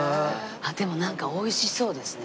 でもなんか美味しそうですね